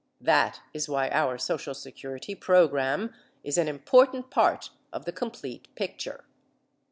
That is why our social security program is an important part of the complete picture.